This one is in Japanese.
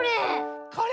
これ。